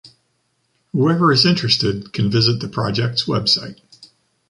Whoever is interested can visit the project’s website.